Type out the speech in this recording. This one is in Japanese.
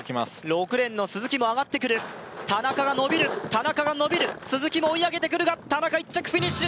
６レーンの鈴木も上がってくる田中が伸びる田中が伸びる鈴木も追い上げてくるが田中１着フィニッシュ